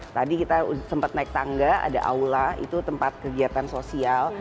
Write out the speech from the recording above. tadi kita sempat naik tangga ada aula itu tempat kegiatan sosial